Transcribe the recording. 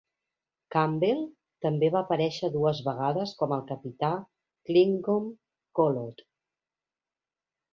Campbell també va aparèixer dues vegades com el capità Klingon Koloth.